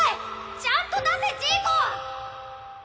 ちゃんと出せジーコ！